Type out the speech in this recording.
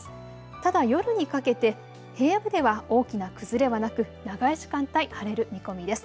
ただ、夜にかけて平野部では大きな崩れはなく長い時間帯、晴れる見込みです。